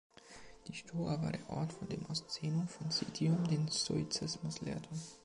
Die Stoa war der Ort, von dem aus Zeno von Citium den Stoizismus lehrte.